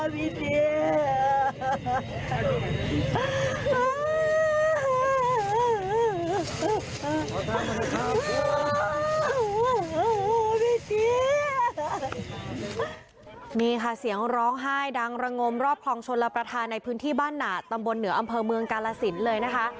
นี่ค่ะเสียงร้องไห้ดังระงมรอบคลองชนระประธานในพื้นที่บ้านหนาดตำบลเหนืออำเภอเมืองกาลสินเลยนะคะ